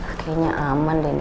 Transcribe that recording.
kayaknya aman deh ini